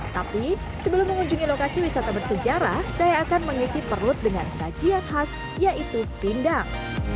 tapi sebelum mengunjungi lokasi wisata bersejarah saya akan mengisi perut dengan sajian khas yaitu pindang